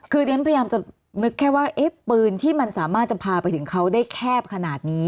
คือเรียนพยายามจะนึกแค่ว่าเอ๊ะปืนที่มันสามารถจะพาไปถึงเขาได้แคบขนาดนี้